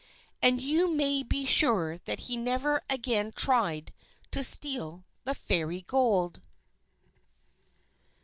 And you may be sure that he never again tried to steal the Fairy Gold.